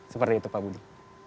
seperti itu pak budi